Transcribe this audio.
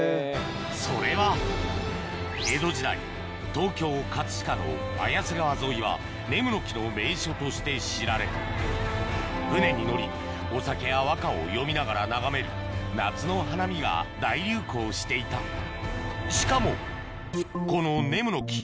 それは江戸時代東京・飾の綾瀬川沿いはネムノキの名所として知られ舟に乗りお酒や和歌を詠みながら眺める夏の花見が大流行していたしかもこのネムノキ